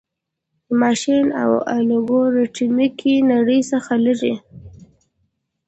د ماشیني او الګوریتمیکي نړۍ څخه لیري